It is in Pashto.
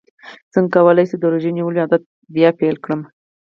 څنګه کولی شم د روژې نیولو عادت بیا پیل کړم